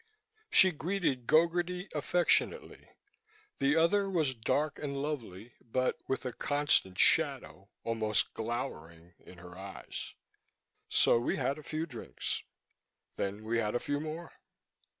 She greeted Gogarty affectionately. The other was dark and lovely, but with a constant shadow, almost glowering, in her eyes. So we had a few drinks. Then we had a few more.